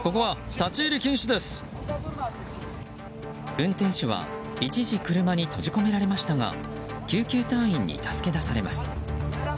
運転手は一時車に閉じ込められましたが救急隊員に助け出されます。